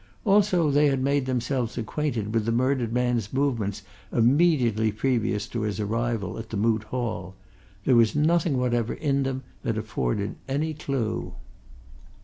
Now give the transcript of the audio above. Also they had made themselves acquainted with the murdered man's movements immediately previous to his arrival at the Moot Hall; there was nothing whatever in them that afforded any clue.